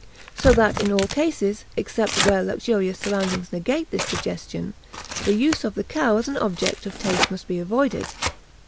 So that in all cases, except where luxurious surroundings negate this suggestion, the use of the cow as an object of taste must be avoided.